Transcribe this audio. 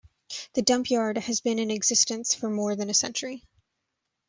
The dump yard has been in existence for more than a century.